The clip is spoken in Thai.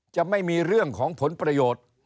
จะไม่มีเรื่องของผลประโยชน์